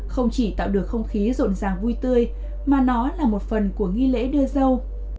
không chỉ tạo được không khí rộn ràng vui tươi mà nó là một phần của nghi lễ đưa dâu